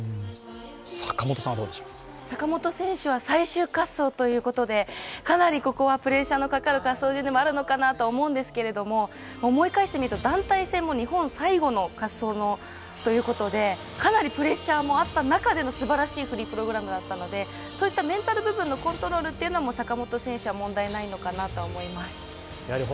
最終滑走ということでかなりここはプレッシャーのかかる滑走順でもあるのかなと思うんですけど思い返してみると、団体戦も日本最後の滑走ということで、かなりプレッシャーもあった中でのすばらしいフリープログラムだったので、そういったメンタル部分のコントロールというのも坂本選手は問題ないのかなと思います。